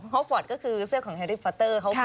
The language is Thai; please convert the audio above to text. ฮ็อกวัตต์ก็คือเสื้อของแฮร์รี่ปอตเตอร์เขาคลุม